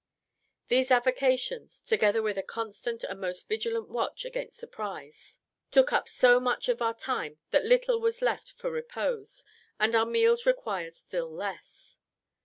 These avocations, together with a constant and most vigilant watch against surprise, took up so much of our time that little was left for repose, and our meals required still less.